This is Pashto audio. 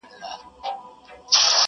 • چي تر خوله یې د تلک خوږې دانې سوې..